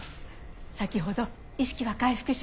先ほど意識は回復しました。